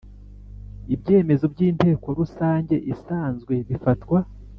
Ibyemezo by inteko rusange isanzwe bifatwa